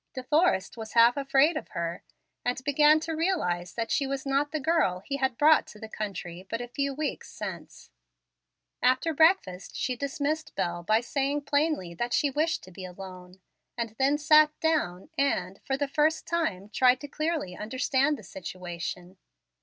De Forrest was half afraid of her, and began to realize that she was not the girl he had brought to the country but a few weeks since. After breakfast, she dismissed Bel by saying plainly that she wished to be alone, and then sat down, and, for the first time, tried to clearly understand the situation.